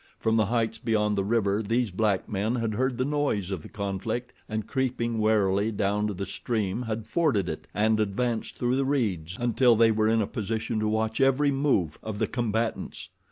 From the heights beyond the river these black men had heard the noise of the conflict, and creeping warily down to the stream had forded it and advanced through the reeds until they were in a position to watch every move of the combatants.